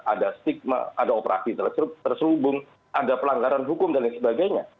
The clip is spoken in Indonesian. ada stigma ada operasi terselubung ada pelanggaran hukum dan lain sebagainya